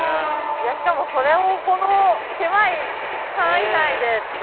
いやしかもそれをこの狭い範囲内でって。